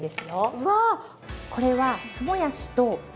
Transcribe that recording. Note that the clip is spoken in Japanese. うわ！